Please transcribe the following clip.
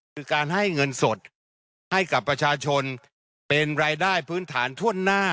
คือการให้เงินสดให้กับประชาชนเป็นรายได้พื้นฐานทั่วหน้า